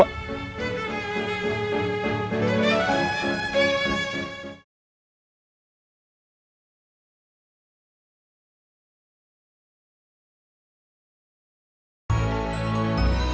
kembali kepada bumi